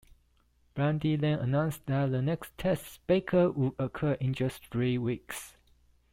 Blandy then announced that the next test, Baker, would occur in just three weeks.